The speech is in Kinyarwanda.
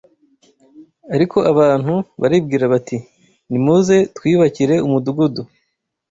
Ariko abantu baribwira bati ‘nimuze twiyubakire umudugudu